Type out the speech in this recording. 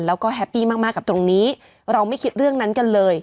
แล้วก็แฮปปี้มากกับตรงนี้เราไม่คิดเรื่องนั้นกันเลย